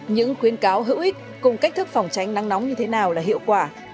những khuyến cáo hữu ích cùng cách thức phòng tránh nắng nóng như thế nào là hiệu quả